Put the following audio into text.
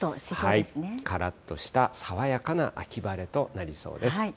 からっとした爽やかな秋晴れとなりそうです。